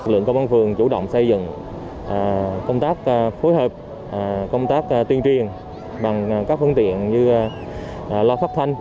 lượng công an phường chủ động xây dựng công tác phối hợp công tác tuyên truyền bằng các phương tiện như lo phát thanh